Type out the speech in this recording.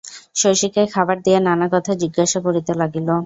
শশীকে খাবার দিয়া নানাকথা জিজ্ঞাসা করিতে লাগিল।